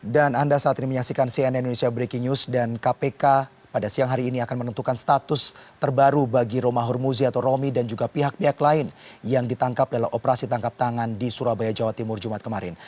dan anda saat ini menyaksikan cnn indonesia breaking news dan kpk pada siang hari ini akan menentukan status terbaru bagi roma hormuzi atau romi dan juga pihak pihak lain yang ditangkap dalam operasi tangkap tangan di surabaya jawa timur jumat kemarin